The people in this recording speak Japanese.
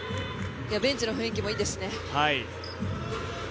ベンチの雰囲気もいいですね。